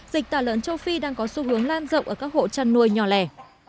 dịch tả lợn châu phi đang có xu hướng lan rộng ở các hộ chăn nuôi nhỏ lẻ